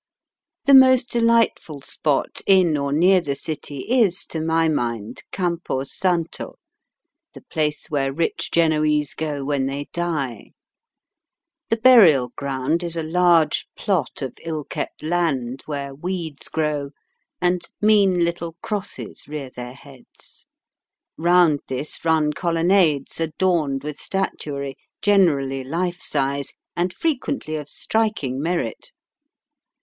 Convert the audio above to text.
The most delightful spot in or near the city is, to my mind, Campo Santo, the place where rich Genoese go when they die. The burial ground is a large plot of ill kept land, where weeds grow, and mean little crosses rear their heads. Round this run colonnades adorned with statuary, generally life size, and frequently of striking merit.